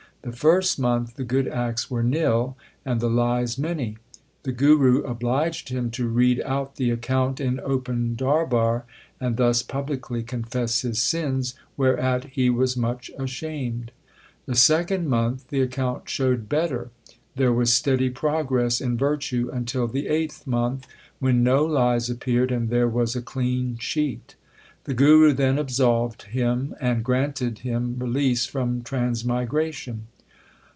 The first month the good acts were nil, and the lies many. The Guru obliged him to read out the account in open darbar, and thus publicly confess his sins, whereat he was much ashamed. The second month the account showed better. There was steady pro gress in virtue until the eighth month, when no lies appeared, and there was a clean sheet. The Guru then absolved him and granted him release from transmigration.